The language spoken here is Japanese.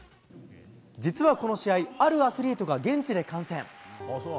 実はこの試合、あるアスリートが現地で観戦。